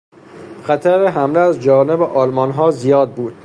خطر حمله از جانب آلمانها زیاد بود.